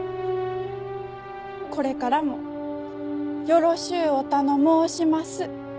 これからもよろしゅうおたのもうします。